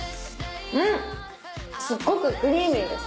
すっごくクリーミーです。